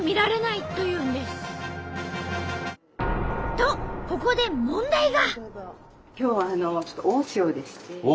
とここで問題が。